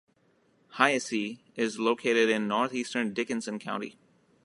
Haysi is located in northeastern Dickenson County.